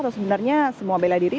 atau sebenarnya semua beladiri